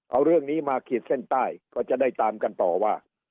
เอาเรื่องนี้มาขีดเส้นใต้ก็จะได้ตามกันต่อว่า